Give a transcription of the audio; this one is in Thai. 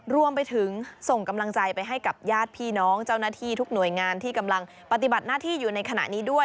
รวมไปถึงส่งกำลังใจไปให้กับญาติพี่น้องเจ้าหน้าที่ทุกหน่วยงานที่กำลังปฏิบัติหน้าที่อยู่ในขณะนี้ด้วย